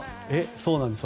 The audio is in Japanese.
そうなんです。